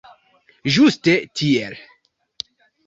Ĝuste tiel!